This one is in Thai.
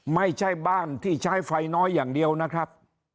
ไม่ใช่บ้านที่ใช้ไฟน้อยอย่างเดียวนะครับ